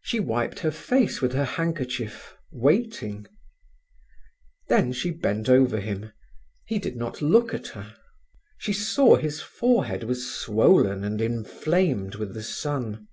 She wiped her face with her handkerchief, waiting. Then she bent over him. He did not look at her. She saw his forehead was swollen and inflamed with the sun.